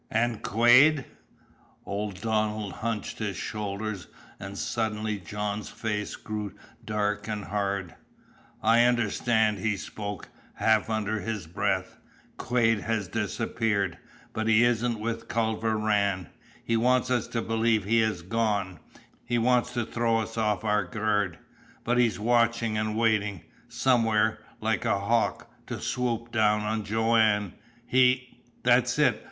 "And Quade?" Old Donald hunched his shoulders, and suddenly John's face grew dark and hard. "I understand," he spoke, half under his breath. "Quade has disappeared but he isn't with Culver Rann. He wants us to believe he has gone. He wants to throw us off our guard. But he's watching, and waiting somewhere like a hawk, to swoop down on Joanne! He " "That's it!"